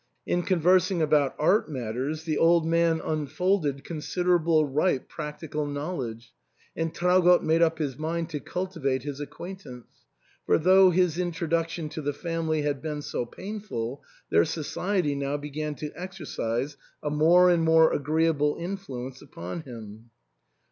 In conversing about art matters the old man unfolded considerable ripe practical knowl edge ; and Traugott made up his mind to cultivate his acquaintance ; for though his introduction to the family had been so painful, their society now began to exer cise a more and more agreeable influence upon him.